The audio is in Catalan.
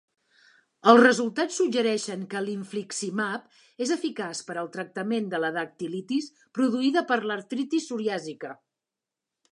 Els resultats suggereixen que l'infliximab és eficaç per al tractament de la dactilitis produïda per l'artritis psoriàsica.